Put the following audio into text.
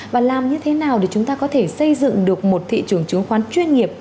và làm như thế nào để chúng ta có thể xây dựng được một thị trường chứng khoán chuyên nghiệp